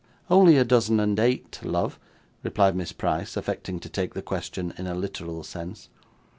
'Only a dozen and eight, love,' replied Miss Price, affecting to take the question in a literal sense.